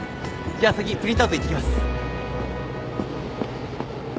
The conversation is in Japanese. じゃあ先プリントアウト行ってきます。